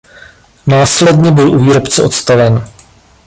Následně byl u výrobce odstaven.